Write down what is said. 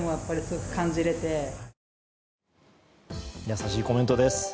優しいコメントです。